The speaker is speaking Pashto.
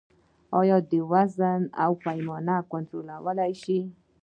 آیا د وزن او پیمانې کنټرول شته؟